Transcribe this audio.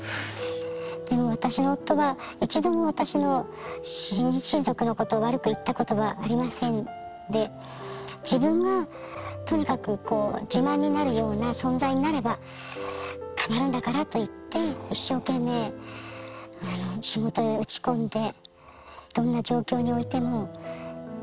でも私の夫は一度も私の親族のことを悪く言ったことはありませんで自分がとにかくこう自慢になるような存在になれば変わるんだからと言って一生懸命仕事へ打ち込んで。